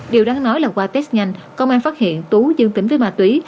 điều đáng nói là qua test nhanh công an phát hiện tú dương tính với ma túy